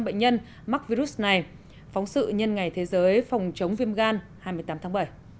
bệnh nhân mắc virus này phóng sự nhân ngày thế giới phòng chống viêm gan hai mươi tám tháng bảy